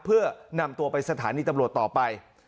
เพื่อนำตัวไปสถานีตำรวจต่อไป